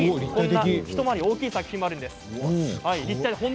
一回り大きい作品があるんです。